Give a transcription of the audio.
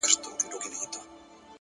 هره ورځ د نوې هڅې بلنه ده!